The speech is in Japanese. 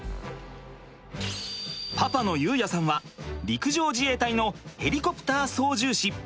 パパの悠也さんは陸上自衛隊のヘリコプター操縦士。